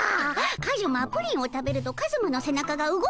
カズマプリンを食べるとカズマの背中が動くでおじゃる。